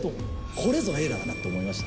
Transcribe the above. これぞ映画だなと思いました。